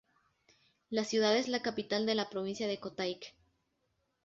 La ciudad es la capital de la provincia de Kotayk.